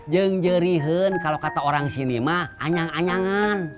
jengjerihan kalo kata orang sini mah anyang anyangan